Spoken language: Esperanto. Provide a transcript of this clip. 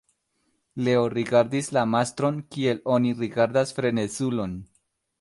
Leo rigardis la mastron kiel oni rigardas frenezulon.